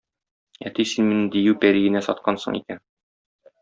Әти, син мине дию пәриенә саткансың икән.